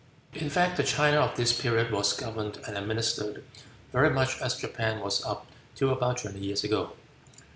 In fact, the China of this period was governed and administered very much as Japan was up till about twenty years ago.